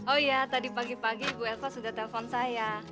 oh ya tadi pagi pagi bu elva sudah telepon saya